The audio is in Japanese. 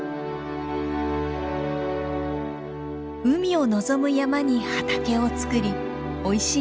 海を望む山に畑を作りおいしい